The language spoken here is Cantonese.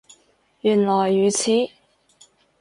原來如此